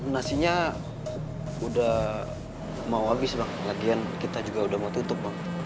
nasinya udah mau habis bagian kita juga udah mau tutup